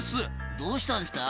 「どうしたんですか？」